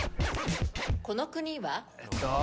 この国は？